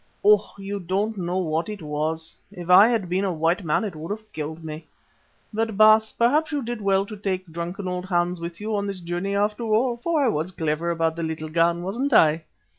Oh! you don't know what it was: if I had been a white man it would have killed me. But, Baas, perhaps you did well to take drunken old Hans with you on this journey after all, for I was clever about the little gun, wasn't I?